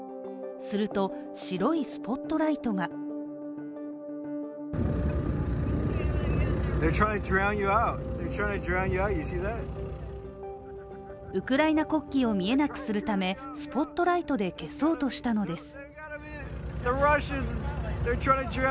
すると、白いスポットライトがウクライナ国旗を見えなくするため、スポットライトで消そうとしたのです。